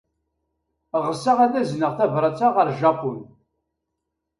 Ɣseɣ ad azneɣ tabṛat-a ɣer Japun.